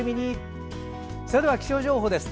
それでは気象情報です。